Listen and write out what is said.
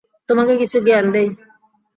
তোমাকে কিছু জ্ঞান দেই।